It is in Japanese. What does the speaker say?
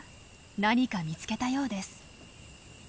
何か見つけたようです。